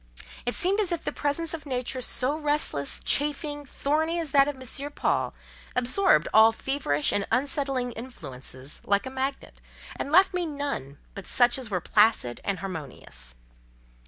It seemed as if the presence of a nature so restless, chafing, thorny as that of M. Paul absorbed all feverish and unsettling influences like a magnet, and left me none but such as were placid and harmonious.